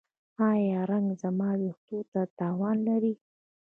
ایا رنګ زما ویښتو ته تاوان لري؟